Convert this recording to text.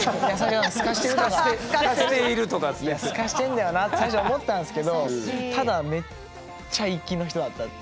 スカしてんだよなって最初思ったんですけどただめっちゃ粋な人だったって。